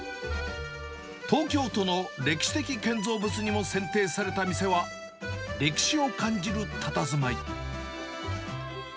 東京都の歴史的建造物にも選定された店は、歴史を感じるたたずまい。